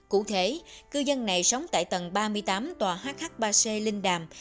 cụ thể cư dân này sống tại tầng ba mươi tám tòa hh ba c linh đàm